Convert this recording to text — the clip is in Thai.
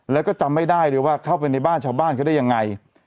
แล้วก็จำไม่ได้เลยว่าเข้าไปในบ้านชาวบ้านเขาได้ยังไง